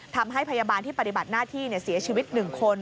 ทำให้พยาบาลที่ปฏิบัติหน้าที่เสียชีวิต๑คน